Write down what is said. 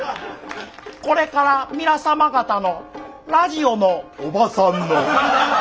これから皆様方のラジオのおばさんの時間です。